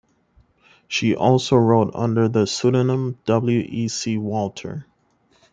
She also wrote under the pseudonym W. E. C. Walter.